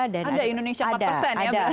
ada indonesia empat persen ya